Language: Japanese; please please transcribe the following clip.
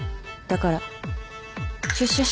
だから。